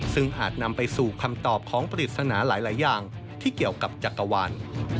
ซึ่งอาจนำไปสู่คำตอบของปริศนาหลายอย่างที่เกี่ยวกับจักรวาล